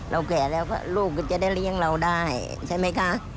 แก่แล้วก็ลูกก็จะได้เลี้ยงเราได้ใช่ไหมคะ